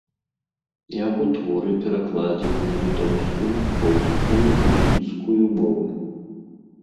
Яго творы перакладзены на літоўскую, польскую, грузінскую мовы.